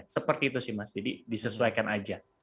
seperti itu sih mas jadi disesuaikan aja